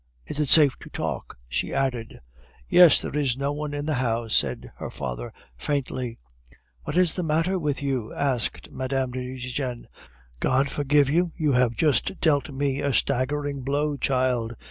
Is it safe to talk?" she added. "Yes, there is no one in the house," said her father faintly. "What is the matter with you?" asked Mme. de Nucingen. "God forgive you! you have just dealt me a staggering blow, child!"